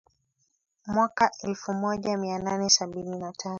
mwaka elfu moja mia nane sabini na tatu